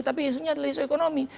tapi isunya adalah isu ekonomi